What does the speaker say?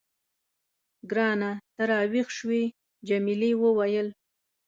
ګرانه، ته راویښ شوې؟ جميلې وويل:.